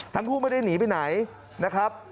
ทั้งคู่ไม่ได้หนีไปไหนนะครับ